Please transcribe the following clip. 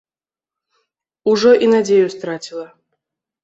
Ужо і надзею страціла.